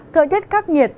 thời tiết các nhiệt